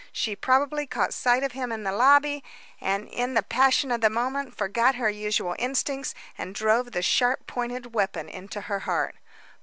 She probably caught sight of him in the lobby, and in the passion of the moment forgot her usual instincts and drove the sharp pointed weapon into her heart."